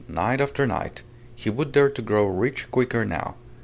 . Night after night ... He would dare to grow rich quicker now.